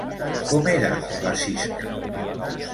Com era la Sisca?